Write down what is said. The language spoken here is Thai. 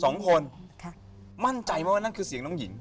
สองคนค่ะมั่นใจไหมว่านั่นคือเสียงน้องหญิง